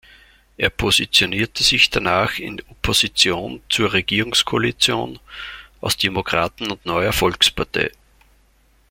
Er positionierte sich danach in Opposition zur Regierungskoalition aus Demokraten und Neuer Volkspartei.